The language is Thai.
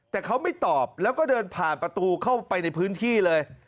แต่เขาไม่ตอบแล้วก็เดินผ่านประตูเข้าไปในพื้นที่เลย